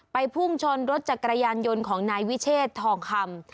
พุ่งชนรถจักรยานยนต์ของนายวิเชษทองคำ